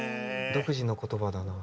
独自の言葉だな。